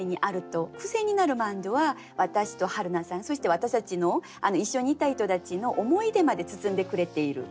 クセになるマンドゥは私とはるなさんそして私たちの一緒に行った人たちの思い出まで包んでくれている。